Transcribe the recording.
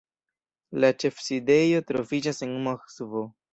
La ĉefsidejo troviĝas en Moskvo.